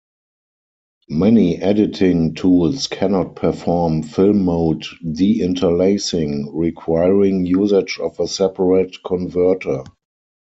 Many editing tools cannot perform film-mode deinterlacing, requiring usage of a separate converter.